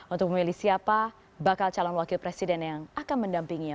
untuk memilih siapa bakal calon wakil presiden yang akan mendampinginya